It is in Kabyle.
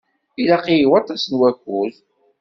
Ilaq-iyi waṭas n wakud.